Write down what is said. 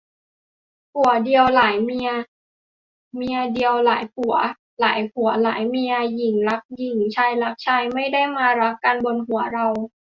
ผัวเดียวหลายเมีย เมียเดียวหลายผัว หลายผัวหลายเมีย หญิงรักหญิง ชายรักชาย ไม่ได้มารักกันบนหัวเรา